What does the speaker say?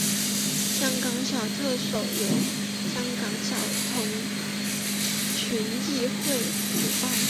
香港小特首由香港小童群益会主办。